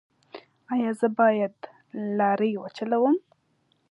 ایا زه باید لارۍ وچلوم؟